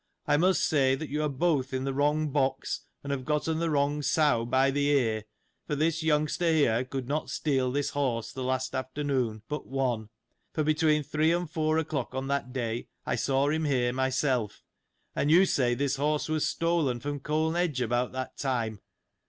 I must say, that you are both in the wrong box, and have gotten the wrong sow by the ear : for, this youngster, here, could not steal this horse the last afternoon, but one ; for, between three and four o'clock on that day, I saw him, here, myself; and you say, this horse was stolen from Colne edge about that time.